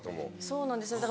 そうなんですよ。